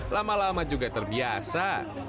lama lama juga terbiasa